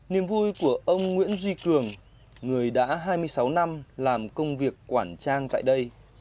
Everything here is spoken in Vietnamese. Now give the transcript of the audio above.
niềm vui của ông nguyễn duy cường người đã hai mươi sáu năm làm công việc quản trang tại đây